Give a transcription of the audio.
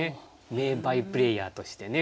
名バイプレーヤーとしてね